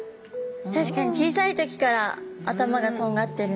確かに小さい時から頭がとんがってる。